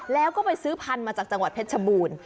แล้วก็ไปซื้อพันธุ์มาจากจังหวัดเพชรชบูรณ์